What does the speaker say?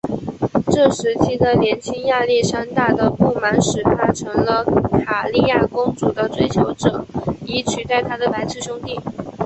这时期的年轻亚历山大的不满使他成了卡里亚公主的追求者以取代他的白痴兄弟。